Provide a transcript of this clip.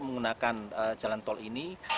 menggunakan jalan tol ini